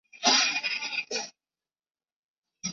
哈利法克斯同样也在的指挥下用于反潜战侦察和气象。